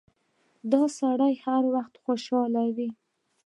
دا سړی هر وخت خوشاله وي.